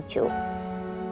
perhatian banget sama icu